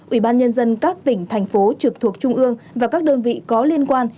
ủy ban nhân dân các tỉnh thành phố trực thuộc trung ương và các đơn vị có liên quan